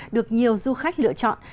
được nhiều du khách lựa chọn